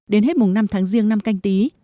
đến hết mùng năm tháng riêng năm canh tí